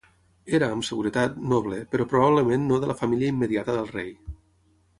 Era, amb seguretat, noble, però probablement no de la família immediata del rei.